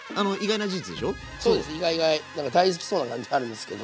なんか大好きそうな感じあるんですけど。